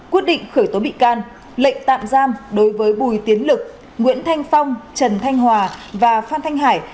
quyết định khởi tố bị can lệnh tạm giam đối với bùi tiến lực nguyễn thanh phong trần thanh hòa và phan thanh hải